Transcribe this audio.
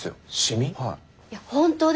いや本当です。